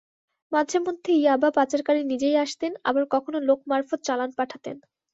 মাঝেমধ্যে ইয়াবা পাচারকারী নিজেই আসতেন, আবার কখনো লোক মারফত চালান পাঠাতেন।